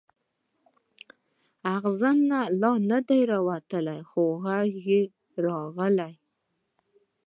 اغزی لا نه دی راوتلی خو غږ یې راغلی.